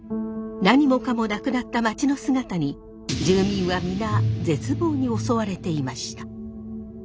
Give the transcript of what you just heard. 何もかもなくなったまちの姿に住民は皆絶望に襲われていました。